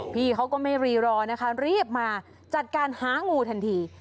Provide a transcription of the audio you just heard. พี่เขาก็ไม่รีรอนะคะรีบมาจัดการหางูทันที